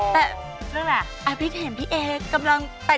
ทำไมเป็นอย่างนี้